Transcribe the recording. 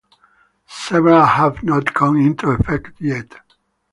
several have not gone into effect yet